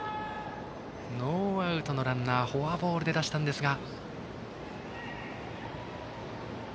ノーアウトのランナーフォアボールで出しましたが。